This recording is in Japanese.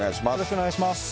お願いします。